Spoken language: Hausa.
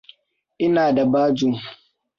Ina da bajo.